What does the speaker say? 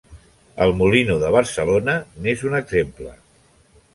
El Molino de Barcelona n'és un exemple.